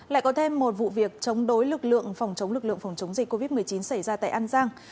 lại có thêm một vụ việc chống đối lực lượng phòng chống lực lượng phòng chống dịch covid một mươi chín xảy ra tại an giang